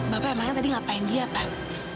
bapak emangnya tadi ngapain dia kan